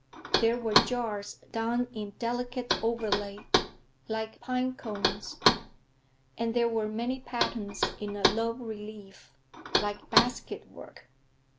There were jars done in a delicate overlay, like pine cones; and there were many patterns in a low relief, like basket work.